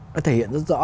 nó thể hiện rất rõ